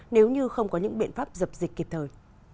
nếu như không có những biện pháp dập dịch kịp thời